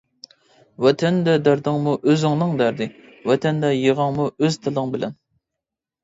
ۋەتەندە دەردىڭمۇ ئۆزۈڭنىڭ دەردى، ۋەتەندە يىغاڭمۇ ئۆز تىلىڭ بىلەن.